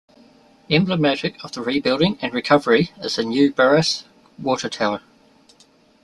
Emblematic of the rebuilding and recovery is the new Buras water tower.